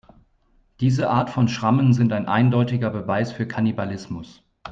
Diese Art von Schrammen sind ein eindeutiger Beweis für Kannibalismus.